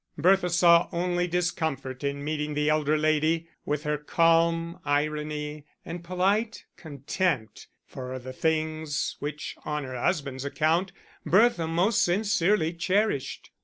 Bertha saw only discomfort in meeting the elder lady, with her calm irony and polite contempt for the things which on her husband's account Bertha most sincerely cherished.